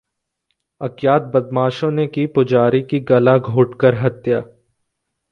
अज्ञात बदमाशों ने की पुजारी की गला घोटकर हत्या